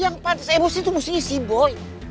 yang pantas emosi tuh musuhnya si boy